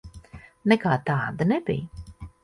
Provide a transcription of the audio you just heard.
Nekā tāda nebija.